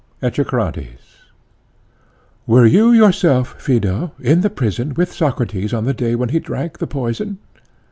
ECHECRATES: Were you yourself, Phaedo, in the prison with Socrates on the day when he drank the poison?